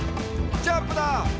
ジャンプだ！」